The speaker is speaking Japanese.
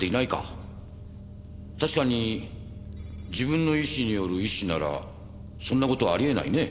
確かに自分の意思による縊死ならそんな事はありえないね。